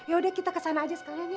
ya udah kita kesana aja sekalian ya